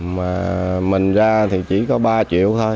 mà mình ra thì chỉ có ba triệu thôi